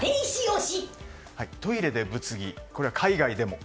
トイレで物議海外でも。